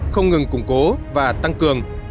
không ngừng củng cố và tăng cường